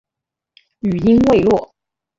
语音未落